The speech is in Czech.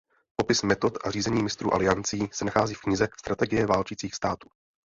Popis metod a řízení mistrů aliancí se nachází v knize "Strategie válčících států".